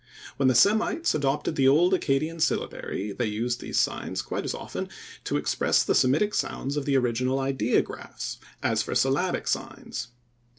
When the Semites adopted the old Accadian syllabary they used these signs quite as often to express the Semitic sounds of the original ideographs as for syllabic signs.